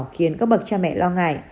khiến các bậc cha mẹ lo ngại